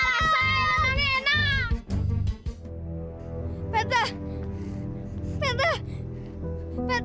kenapa bisa sampai begini